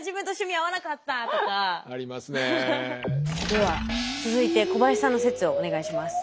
では続いて小林さんの説をお願いします。